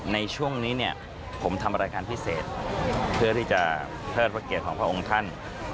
ในช่วงนี้เนี่ยผมทำรายการพิเศษเพื่อที่จะเทิดพระเกียรติของพระองค์ท่าน